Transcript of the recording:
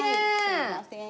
はいすいません。